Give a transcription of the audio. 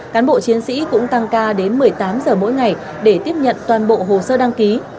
cán bộ chiến sĩ cũng tăng ca đến một mươi tám giờ mỗi ngày để tiếp nhận toàn bộ hồ sơ đăng ký